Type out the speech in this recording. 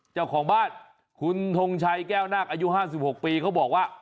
เจ้าของบ้านคุณทงชัยแก้วนาคอายุ๕๖ปีเขาบอกว่า